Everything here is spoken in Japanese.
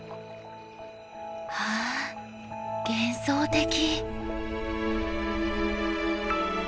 わあ幻想的！